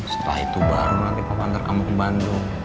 setelah itu baru nanti papa antar kamu ke bandung